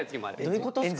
どういうことっすか？